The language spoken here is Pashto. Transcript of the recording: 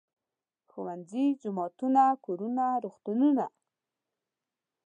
ښوونځي، جوماتونه، کورونه، روغتونونه.